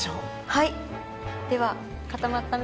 はい。